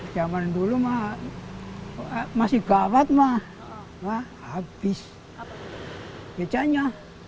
zaman dulu masih gawat abis becanya